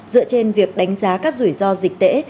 dựa trên việc đánh giá các rủi ro dịch tễ